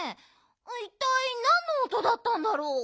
いったいなんのおとだったんだろう？